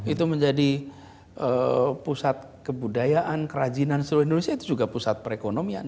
itu menjadi pusat kebudayaan kerajinan seluruh indonesia itu juga pusat perekonomian